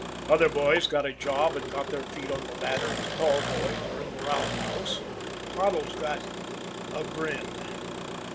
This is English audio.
Other boys got a job and got their feet on the ladder as call boys, or in the roundhouse; Toddles got a grin.